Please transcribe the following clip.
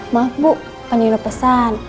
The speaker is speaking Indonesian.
maaf bu pani lo pesan